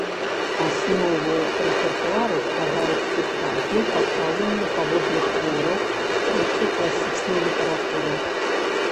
Аснову рэпертуару складаюць спектаклі, пастаўленыя паводле твораў рускай класічнай літаратуры.